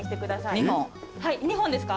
はい２本ですか？